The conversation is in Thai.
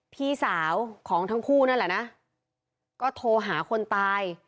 พี่สาวของทั้งคู่นั่นแหละนะก็โทรหาคนตาย